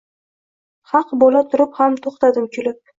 Haq bula turib ham tuxtadim kulib